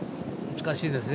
難しいですね。